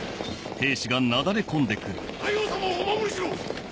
・大王様をお守りしろ！